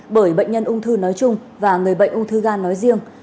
bởi bệnh nhân ung thư nói chung và người bệnh ung thư gan nói riêng